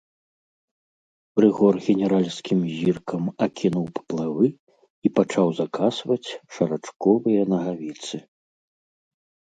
Рыгор генеральскім зіркам акінуў паплавы і пачаў закасваць шарачковыя нагавіцы.